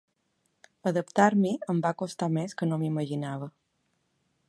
Adaptar-m’hi em va costar més que no m’imaginava.